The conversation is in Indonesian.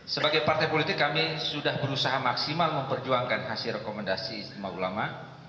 sebagai partai politik kami sudah berusaha maksimal memperjuangkan hasil rekomendasi istimewa ulama